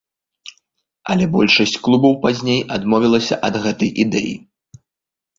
Але большасць клубаў пазней адмовілася ад гэтай ідэі.